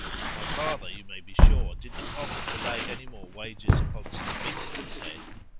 (My father, you may be sure, did not offer to lay any more wagers upon Stevinus's head.)